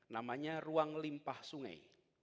namanya ruang limpah sungai